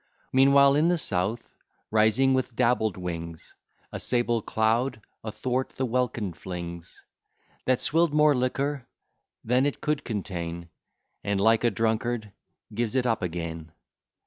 Meanwhile the South, rising with dabbled wings, A sable cloud athwart the welkin flings, That swill'd more liquor than it could contain, And, like a drunkard, gives it up again.